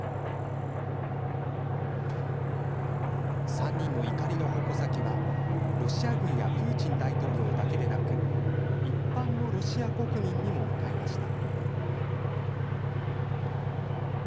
３人の怒りの矛先はロシア軍やプーチン大統領だけでなく一般のロシア国民にも向かいました。